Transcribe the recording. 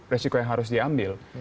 resiko yang harus diambil